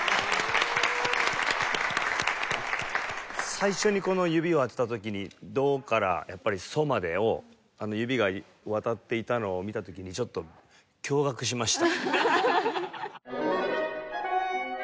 最初にこの指を当てた時にドからやっぱりソまでを指が渡っていたのを見た時にちょっと驚愕しました。